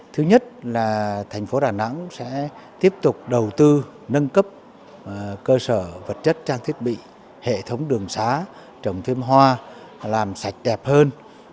thứ nhất là thành phố đà nẵng sẽ tiếp tục đầu tư nâng cấp cơ sở vật chất trang thiết bị hệ thống đường xá trồng thêm hoa làm sạch đẹp hơn